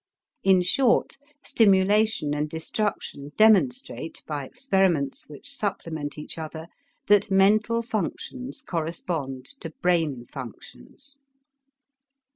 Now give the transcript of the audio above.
In short, stimulation and destruction demonstrate, by experiments which supplement each other, that mental functions correspond to brain functions.